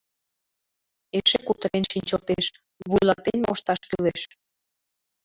Эше кутырен шинчылтеш: «Вуйлатен мошташ кӱлеш».